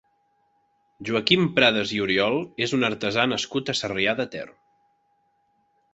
Joaquim Pradas i Oriol és un artesà nascut a Sarrià de Ter.